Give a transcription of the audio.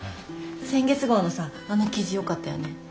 先月号のさあの記事よかったよね？